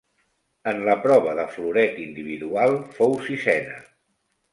En la prova de floret individual fou sisena.